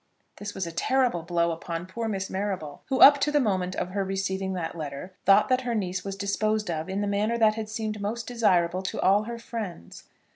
This was a terrible blow upon poor Miss Marrable, who, up to the moment of her receiving that letter, thought that her niece was disposed of in the manner that had seemed most desirable to all her friends.